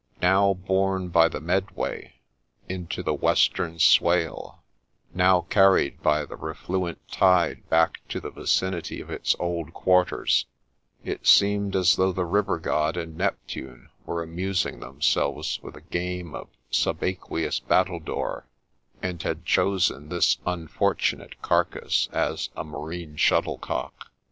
Now borne by the Medway into the Western Swale, — now carried by the refluent tide back to the vicinity of its old quarters, — it seemed as though the River god and Neptune were amusing themselves with a game of subaqueous battledore, and had chosen this unfortunate carcass as a marine shuttlecock.